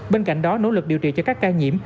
bên cạnh đó nỗ lực điều trị cho các ca nhiễm